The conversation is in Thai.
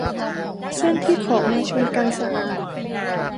เส้นที่ขอบมาชนกันสะอาด